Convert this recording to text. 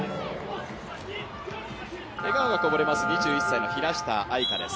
笑顔がこぼれます、２１歳の平下愛佳です。